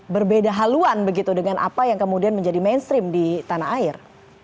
berbeda haluan begitu dengan apa yang kemudian menjadi mainstream di tanah air